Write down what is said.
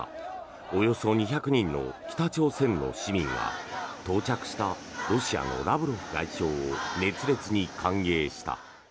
およそ２００人の北朝鮮の市民が到着したロシアのラブロフ外相を熱烈に歓迎した。